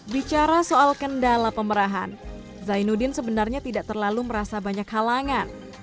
bicara soal kendala pemerahan zainuddin sebenarnya tidak terlalu merasa banyak halangan